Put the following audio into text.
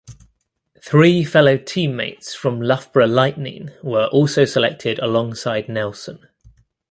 Three fellow team mates from Loughborough Lightning were also selected alongside Nelson.